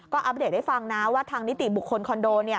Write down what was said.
ก็อัปเดตให้ฟังนะว่าทางนิติบุคคลคอนโด